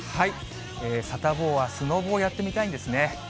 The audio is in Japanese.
サタボーはスノボをやってみたいんですね。